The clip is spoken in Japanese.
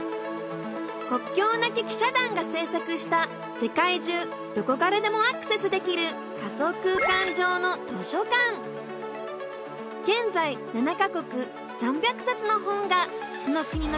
国境なき記者団が制作した世界中どこからでもアクセスできる現在７か国３００冊の本がその国の規制を逃れ